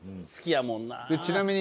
好きやもんな。